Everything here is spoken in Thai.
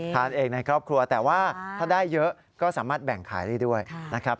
ทานเองในครอบครัวแต่ว่าถ้าได้เยอะก็สามารถแบ่งขายได้ด้วยนะครับ